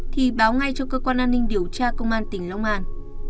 thì báo ngay cho cơ quan an ninh điều tra công an tỉnh long an